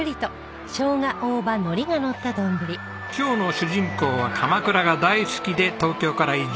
今日の主人公は鎌倉が大好きで東京から移住。